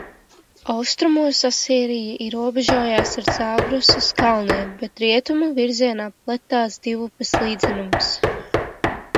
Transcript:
Austrumos Asīrija robežojās ar Zāgrosas kalniem, bet rietumu virzienā pletās Divupes līdzenums.